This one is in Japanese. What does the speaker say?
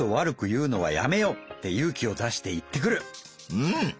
うん！